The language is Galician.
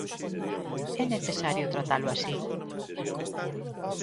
É necesario tratalo así?